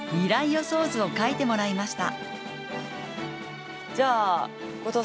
予想図を書いてもらいました。